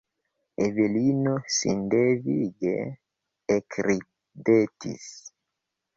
Evelino sindevige ekridetis.